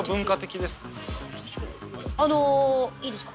あのいいですか？